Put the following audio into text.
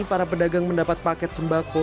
para pedagang mendapat paket sembako